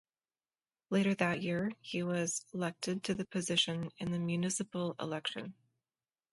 Later that year he was elected to the position in the municipal election.